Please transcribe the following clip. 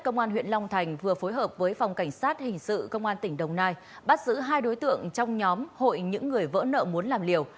công an huyện long thành vừa phối hợp với phòng cảnh sát hình sự công an tỉnh đồng nai bắt giữ hai đối tượng trong nhóm hội những người vỡ nợ muốn làm liều